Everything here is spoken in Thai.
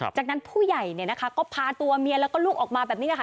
จากนั้นผู้ใหญ่เนี่ยนะคะก็พาตัวเมียแล้วก็ลูกออกมาแบบนี้แหละค่ะ